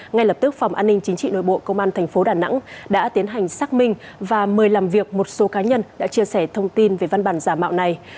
ngay lập tức phòng an ninh chính trị nội bộ công an tp đà nẵng đã tiến hành xác minh và mời làm việc một số cá nhân đã chia sẻ thông tin về văn bản giả mạo này